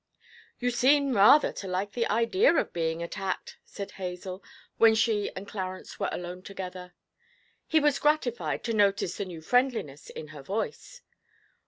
'You seem rather to like the idea of being attacked,' said Hazel, when she and Clarence were alone together. He was gratified to notice the new friendliness in her voice.